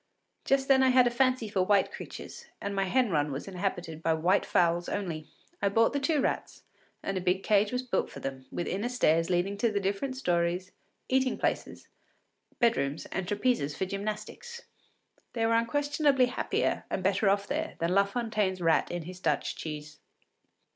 Just then I had a fancy for white creatures, and my hen run was inhabited by white fowls only. I bought the two rats, and a big cage was built for them, with inner stairs leading to the different stories, eating places, bedrooms, and trapezes for gymnastics. They were unquestionably happier and better off there than La Fontaine’s rat in his Dutch cheese.